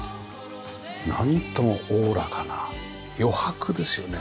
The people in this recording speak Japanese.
なんともおおらかな余白ですよね。